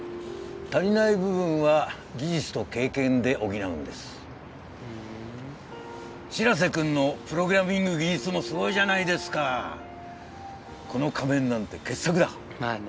足りない部分は技術と経験で補うんですふん白瀬くんのプログラミング技術もすごいじゃないですかこの仮面なんて傑作だまあね